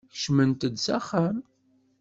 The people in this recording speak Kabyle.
Kecmemt-d s axxam.